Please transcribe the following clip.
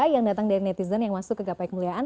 yang datang dari netizen yang masuk ke gapai kemuliaan